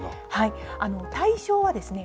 対象はですね